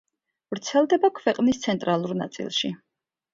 ვრცელდება ქვეყნის ცენტრალურ ნაწილში.